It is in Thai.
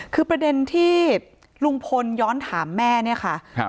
คือประเด็นที่ลุงพลย้อนถามแม่เนี่ยค่ะ